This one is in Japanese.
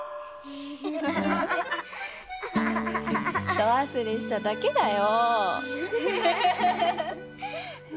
どわすれしただけだよ。